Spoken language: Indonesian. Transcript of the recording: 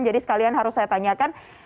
jadi sekalian harus saya tanyakan